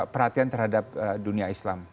perhatian terhadap dunia islam